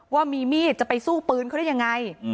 ว่ามีมีดจะไปสู้ปืนเขาได้ยังไง